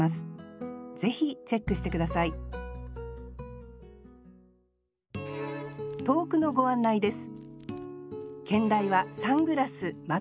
ぜひチェックして下さい投句のご案内です